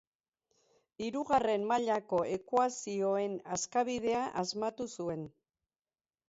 Hirugarren mailako ekuazioen askabidea asmatu zuen.